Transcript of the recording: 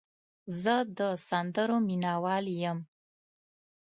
زه د سندرو مینه وال یم.